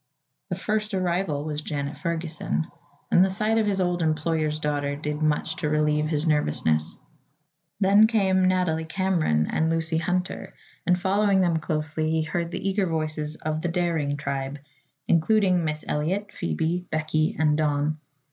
The first arrival was Janet Ferguson, and the sight of his old employer's daughter did much to relieve his nervousness. Then came Nathalie Cameron and Lucy Hunter and following them closely he heard the eager voices of "the Daring tribe," including Miss Eliot, Phoebe, Becky and Don.